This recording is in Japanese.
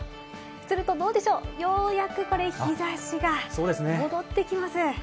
するとどうでしょう、ようやくこれ日差しが戻ってきます。